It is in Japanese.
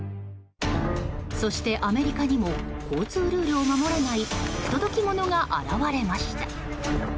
そして、アメリカにも交通ルールを守らない不届き者が現れました。